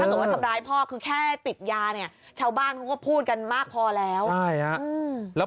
ถ้าเกิดทำร้ายพ่อที่แค่ติดยาชาวบ้านคงพูดกันมากพอแล้ว